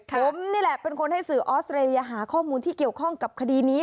ผมนี่แหละเป็นคนให้สื่อออสเตรเลียหาข้อมูลที่เกี่ยวข้องกับคดีนี้